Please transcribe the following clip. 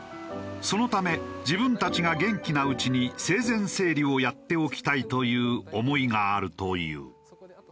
そのため自分たちが元気なうちに生前整理をやっておきたいという思いがあるという。